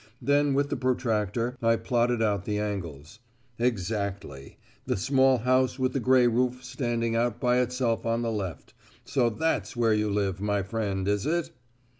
Then with the protractor I plotted out the angles. "Exactly. The small house with the grey roof standing out by itself on the left. So that's where you live, my friend, is it?"